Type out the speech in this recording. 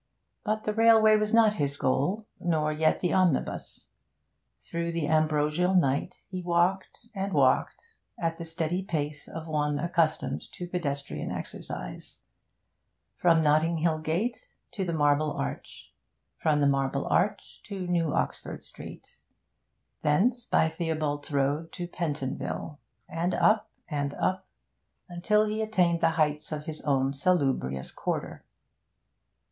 But the railway was not his goal, nor yet the omnibus. Through the ambrosial night he walked and walked, at the steady pace of one accustomed to pedestrian exercise: from Notting Hill Gate to the Marble Arch; from the Marble Arch to New Oxford Street; thence by Theobald's Road to Pentonville, and up, and up, until he attained the heights of his own salubrious quarter.